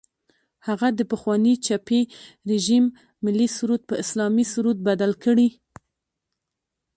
هغه د پخواني چپي رژیم ملي سرود په اسلامي سرود بدل کړي.